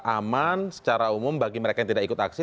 aman secara umum bagi mereka yang tidak ikut aksi